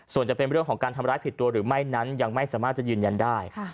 ส่วนจะเป็นเรื่องของการทำร้ายผิดตัวหรือไม่นั้นยังไม่สามารถจะยืนยันได้